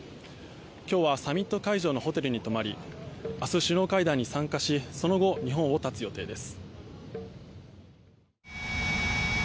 今日はサミット会場のホテルに泊まり明日、首脳会談に参加しその後、日本を発つ予定です。